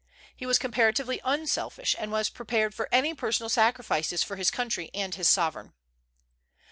He was comparatively unselfish, and was prepared for any personal sacrifices for his country and his sovereign.